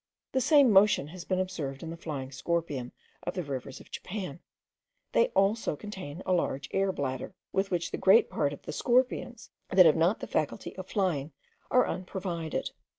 The same motion has been observed in the flying scorpion of the rivers of Japan: they also contain a large air bladder, with which the great part of the scorpions that have not the faculty of flying are unprovided.